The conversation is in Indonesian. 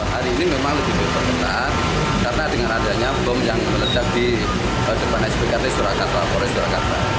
hari ini memang lebih berkenan karena dengan adanya bom yang meledak di depan spkt surakarta polres surakarta